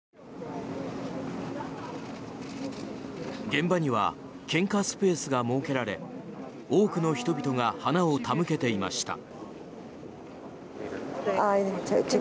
現場には献花スペースが設けられ多くの人々が花を手向けていました。